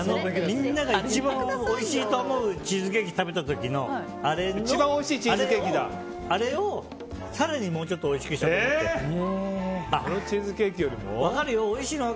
みんなが一番おいしいと思うチーズケーキを食べた時のあれを更にもうちょっとおいしくしたもの。